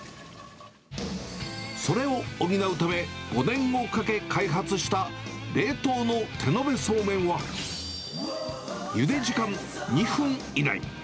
それを補うため、５年をかけ開発した、冷凍の手延べそうめんは、ゆで時間２分以内。